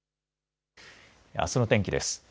あすの天気です。